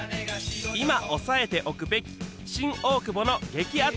今押さえておくべき新大久保の激アツ